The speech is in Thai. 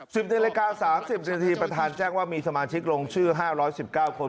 ๑๐นิดนาที๓๐นาทีประธานแจ้งว่ามีสมาชิกลงชื่อ๕๑๙คน